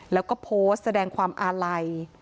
แล้วก็โพสต์แสดงความอาลัย